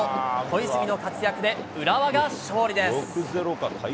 小泉の活躍で浦和が勝利です。